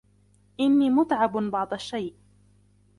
إني متعب بعض الشيء.